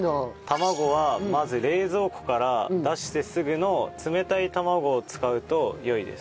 卵はまず冷蔵庫から出してすぐの冷たい卵を使うと良いです。